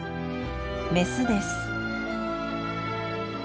メスです。